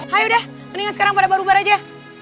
hayo dah mendingan sekarang pada baru baru aja